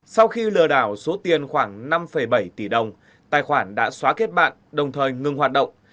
sau khi lừa đảo số tiền khoảng năm bảy tỷ đồng tài khoản đã xóa kết bạn đồng thời ngừng hoạt động